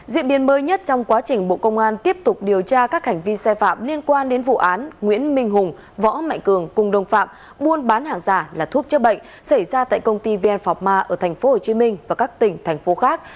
diễn biến mới nhất trong quá trình bộ công an tiếp tục điều tra các hành vi sai phạm liên quan đến vụ án nguyễn minh hùng võ mạnh cường cùng đồng phạm buôn bán hàng giả là thuốc chữa bệnh xảy ra tại công ty vn pharma ở tp hcm và các tỉnh thành phố khác